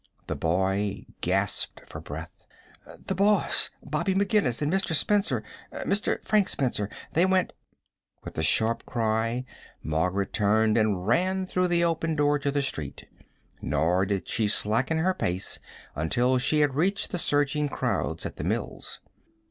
The boy gasped for breath. "The boss, Bobby McGinnis an' Mr. Spencer Mr. Frank Spencer. They went " With a sharp cry Margaret turned and ran through the open door to the street, nor did she slacken her pace until she had reached the surging crowds at the mills.